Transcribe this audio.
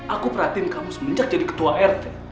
aku perhatiin kamu semenjak jadi ketua rt